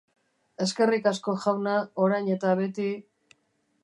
Eskerrik asko Jauna, orain eta beti...